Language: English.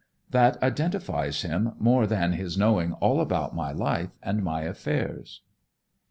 That identifies him, more than his knowing all about my life and my affairs."